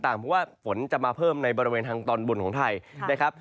เพราะว่าฝนจะมาเพิ่มในบริเวณทางตอนบนของไทยนะครับ